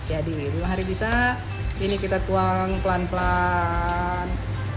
jadi lima hari bisa ini kita tuang pelan pelan